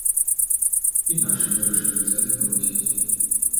І нашы вырашылі цэны павысіць.